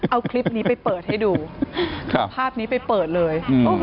เอาคลิปนี้ไปเปิดให้ดูภาพนี้ไปเปิดเลย